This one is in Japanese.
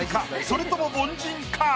それとも凡人か？